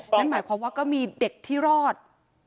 นั่นหมายความว่าก็มีเด็กที่รอด